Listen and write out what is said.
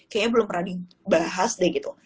kayaknya belum pernah dibahas deh gitu